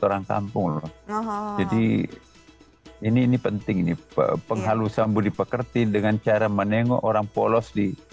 orang kampung jadi ini penting nih penghalusan budi pekerti dengan cara menengok orang polos di